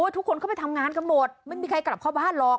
ทุกคนเข้าไปทำงานกันหมดไม่มีใครกลับเข้าบ้านหรอก